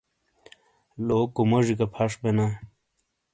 لوکو موجی گہ پھش بینا ۔